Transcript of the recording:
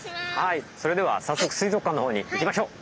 それではさっそく水族館の方に行きましょう。